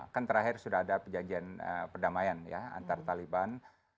kan terakhir sudah ada perjanjian perdamaian ya antar taliban